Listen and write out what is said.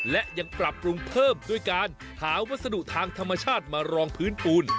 และยังปรับปรุงเพิ่มด้วยการหาวัสดุทางธรรมชาติมารองพื้นปูน